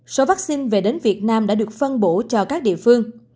số vaccine về đến việt nam đã được phân bổ cho các địa phương